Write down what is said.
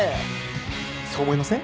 そう思いません？